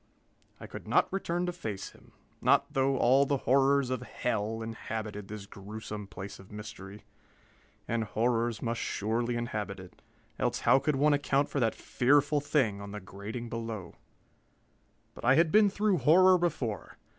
I could not return to face him, not though all the horrors of hell inhabited this gruesome place of mystery. And horrors must surely inhabit it, else how could one account for that fearful thing on the grating below? But I had been through horror before.